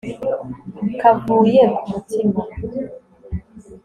kavuye ku mutima